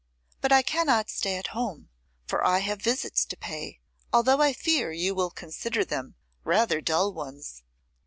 But I cannot stay at home, for I have visits to pay, although I fear you will consider them rather dull ones.